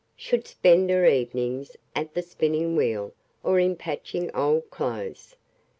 Should spend her evenings at the spinning wheel or in patching old clothes